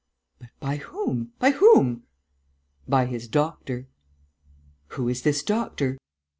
"But by whom? By whom?" "By his doctor." "Who is this doctor?"